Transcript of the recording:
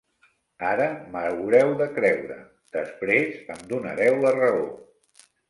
Ara m’haureu de creure; després em donareu la raó.